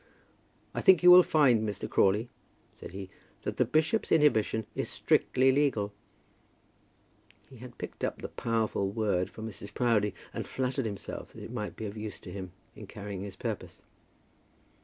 "I think you will find, Mr. Crawley," said he, "that the bishop's inhibition is strictly legal." He had picked up the powerful word from Mrs. Proudie and flattered himself that it might be of use to him in carrying his purpose.